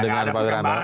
dengan pak wiranto